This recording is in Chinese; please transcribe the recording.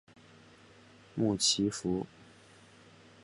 穆奇福。